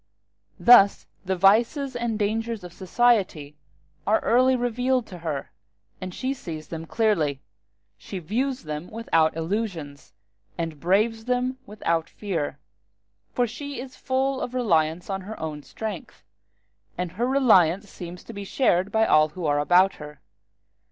Thus the vices and dangers of society are early revealed to her; as she sees them clearly, she views them without illusions, and braves them without fear; for she is full of reliance on her own strength, and her reliance seems to be shared by all who are about her.